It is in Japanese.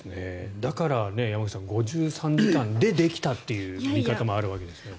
だから５３時間でできたという見方もあるわけですね。